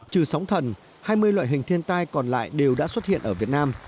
trừ sóng thần hai mươi loại hình thiên tai còn lại đều đã xuất hiện ở việt nam